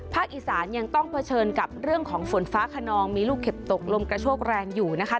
อีสานยังต้องเผชิญกับเรื่องของฝนฟ้าขนองมีลูกเห็บตกลมกระโชกแรงอยู่นะคะ